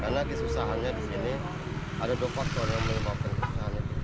karena kesusahannya di sini ada dua faktor yang menyebabkan kesusahannya kita